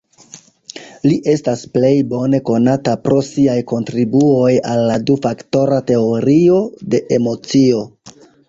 Li estas plej bone konata pro siaj kontribuoj al la du-faktora teorio de emocio.